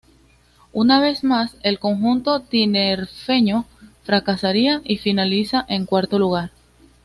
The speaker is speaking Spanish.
Una vez más el conjunto tinerfeño fracasaría y finaliza en cuarto lugar.